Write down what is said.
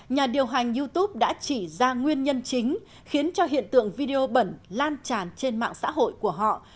nhà điều hành youtube đã chỉ ra nguyên nhân chính khiến cho hiện tượng video bẩn lan tràn trên mạng xã hội của họ